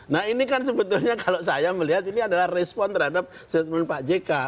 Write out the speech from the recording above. nah ini kan sebetulnya kalau saya melihat ini adalah respon terhadap statement pak jk